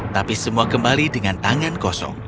tapi semua kembali dengan tangan kosong